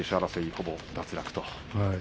ほぼ脱落と。